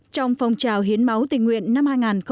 trong phong trào hiến máu tình nguyện năm hai nghìn một mươi chín